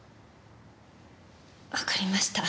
わかりました。